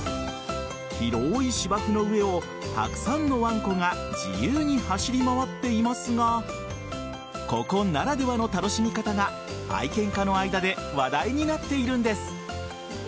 広い芝生の上をたくさんのわんこが自由に走り回っていますがここならではの楽しみ方が愛犬家の間で話題になっているんです。